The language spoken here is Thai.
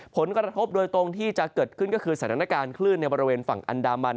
ผลกระทบโดยตรงที่จะเกิดขึ้นก็คือสถานการณ์คลื่นในบริเวณฝั่งอันดามัน